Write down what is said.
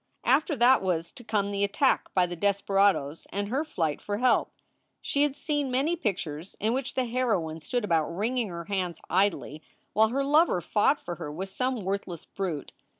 After that was to come the attack by the desperadoes and her flight for help. She had seen many pictures in which the heroine stood about wringing her hands idly while her lover fought for her with some worthless brute.